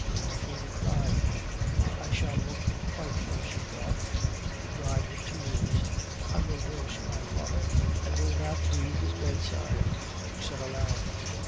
Delphine cried. "I shall look frightful," she thought. She dried her tears. "I will nurse my father; I will not leave his bedside," she said aloud.